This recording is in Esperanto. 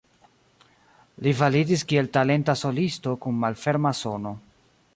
Li validis kiel talenta solisto kun malferma sono.